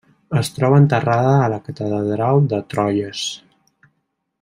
Es troba enterrada a la catedral de Troyes.